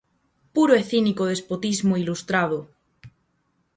Puro e cínico despotismo ilustrado!